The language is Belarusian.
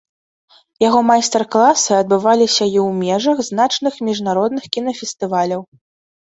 Яго майстар-класы адбываліся і ў межах значных міжнародных кінафестываляў.